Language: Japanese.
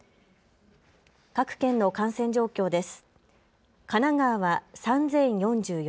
各県の感染状況です。